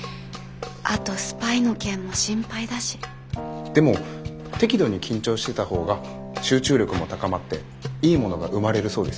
あとスパイの件も心配だしでも適度に緊張してたほうが集中力も高まっていいものが生まれるそうですよ。